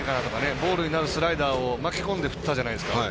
ボールになるスライダーを振ったじゃないですか。